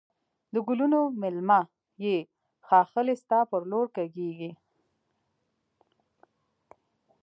د گلونو مېلمنه یې ښاخلې ستا پر لور کږېږی